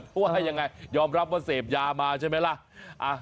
เพราะว่ายังไงยอมรับว่าเสพยามาใช่ไหมล่ะ